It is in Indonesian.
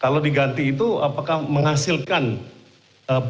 kalau diganti itu apakah menghasilkan